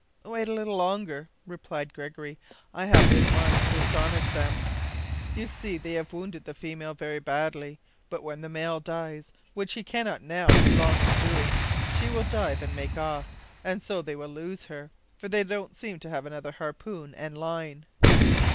"Wait a little longer," replied Gregory. "I have it in my mind to astonish them. You see they have wounded the female very badly, but when the male dies, which he cannot now be long of doing, she will dive and make off, and so they'll lose her, for they don't seem to have another harpoon and line."